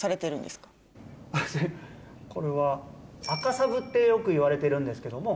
これは。ってよくいわれてるんですけども。